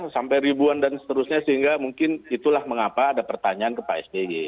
sampai ribuan dan seterusnya sehingga mungkin itulah mengapa ada pertanyaan ke pak sby